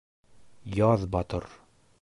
Яҙбатыр: